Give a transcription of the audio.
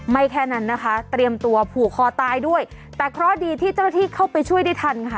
แค่นั้นนะคะเตรียมตัวผูกคอตายด้วยแต่เคราะห์ดีที่เจ้าหน้าที่เข้าไปช่วยได้ทันค่ะ